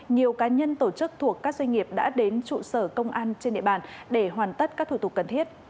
nhiều cá nhân tổ chức thuộc các doanh nghiệp đã đến trụ sở công an trên địa bàn để hoàn tất các thủ tục cần thiết